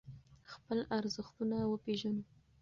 خپل ارزښتونه وپیژنو.